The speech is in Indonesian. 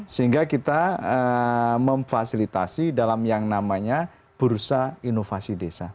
sehingga kita memfasilitasi dalam yang namanya bursa inovasi desa